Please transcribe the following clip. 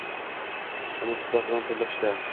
Uni tuproq bilan to’ldirishdi.